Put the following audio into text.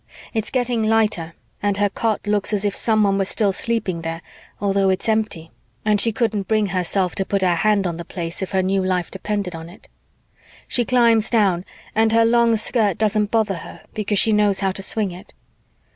It's getting lighter and her cot looks as if someone were still sleeping there, although it's empty, and she couldn't bring herself to put her hand on the place if her new life depended on it. "She climbs down and her long skirt doesn't bother her because she knows how to swing it.